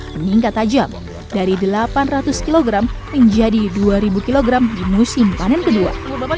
meningkat tajam dari delapan ratus kg menjadi dua kg di musim panen kedua